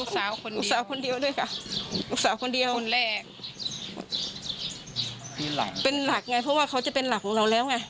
สาวคนเดียวคนแรกเป็นหลักไงเพราะว่าเขาจะเป็นหลักของเราแล้วไง